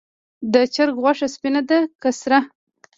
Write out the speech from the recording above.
د چرګ غوښه سپینه ده که سره؟